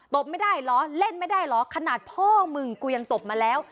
บไม่ได้เหรอเล่นไม่ได้เหรอขนาดพ่อมึงกูยังตบมาแล้ว